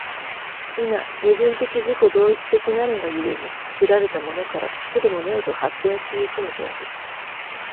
否、矛盾的自己同一的なるが故に、作られたものから作るものへと発展し行くのである。